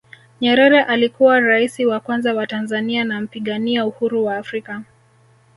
nyerere alikuwa raisi wa kwanza wa tanzania na mpigania Uhuru wa africa